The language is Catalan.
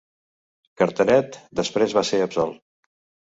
Carteret després va ser absolt.